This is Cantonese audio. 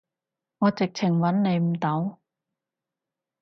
我直情揾你唔到